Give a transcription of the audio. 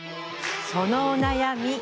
そのお悩み